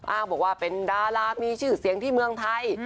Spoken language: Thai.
อ้างบอกว่าเป็นดารามีชื่อเสียงที่เมืองไทย